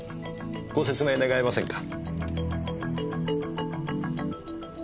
ご説明願えませんか？